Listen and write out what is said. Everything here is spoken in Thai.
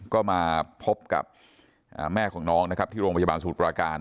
ก็มาพบกับแม่ของน้องนะครับที่โรงพยาบาลสมุทรปราการ